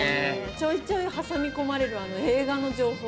ちょいちょい挟み込まれるあの映画の情報。